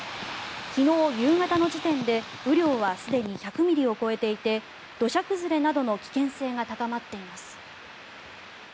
昨日夕方の時点で雨量はすでに１００ミリを超えていて土砂崩れなどの危険性が高まっています。